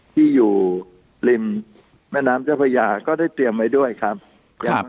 ที่อยู่ริมแม่น้ำเจ้าพระยาก็ได้เตรียมไว้ด้วยครับ